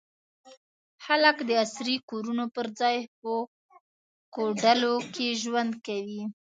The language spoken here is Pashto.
خلک د عصري کورونو پر ځای په کوډلو کې ژوند کوي.